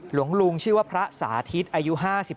หลวงลุงชื่อว่าพระสาธิตอายุ๕๓